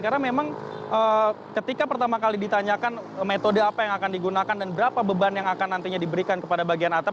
karena memang ketika pertama kali ditanyakan metode apa yang akan digunakan dan berapa beban yang akan nantinya diberikan kepada bagian atap